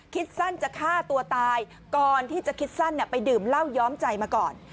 คิดสั้นจะฆ่าตัวตายก่อนที่จะคิดสั้นไปดื่มเหล้าย้อมใจมาก่อน